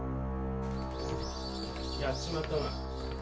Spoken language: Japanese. やっちまったな。